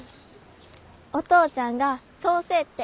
お父ちゃんがそうせえって。